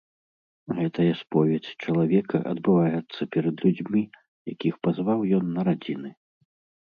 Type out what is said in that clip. Гэтая споведзь чалавека адбываецца перад людзьмі, якіх пазваў ён на радзіны.